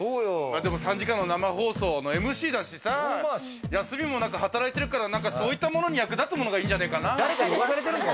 ３時間の生放送のＭＣだしさ休みもなく働いてるからそういったものに役立つものがいいんじゃねえかな。